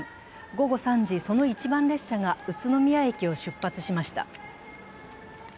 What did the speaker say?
午後３時、その一番列車が宇都宮駅を出発しました。